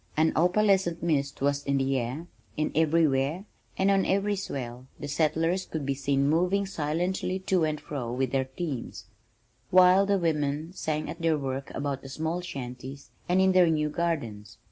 An opalescent mist was in the air, and everywhere, on every swell, the settlers could be seen moving silently to and fro with their teams, while the women sang at their work about the small shanties, and in their new gardens.